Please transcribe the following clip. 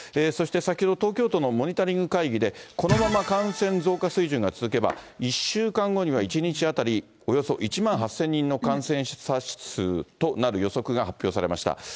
そして先ほど、東京都のモニタリング会議で、このまま感染増加水準が続けば、１週間後には１日当たりおよそ１万８０００人の感染者数となる予測が発表されました。